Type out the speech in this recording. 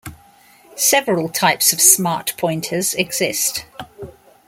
Several types of smart pointers exist.